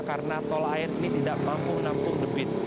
karena tol air ini tidak mampu menampung debit